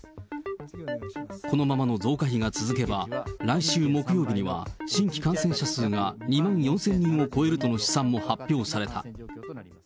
このままの増加比が続けば、来週木曜日には新規感染者数が２万４０００人を超えるとの試算も発表された。